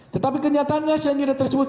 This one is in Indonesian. tetapi kenyataannya cyanida tersebut